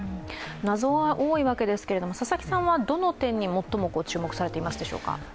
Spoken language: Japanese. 謎は多いわけですけれども、佐々木さんはどの点に最も注目されていますでしょうか？